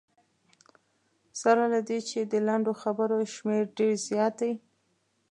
سره له دې چې د لنډو خبرو شمېر ډېر زیات دی.